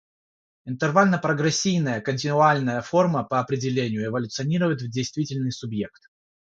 Интервально-прогрессийная континуальная форма, по определению, эволюционирует в действительный субъект.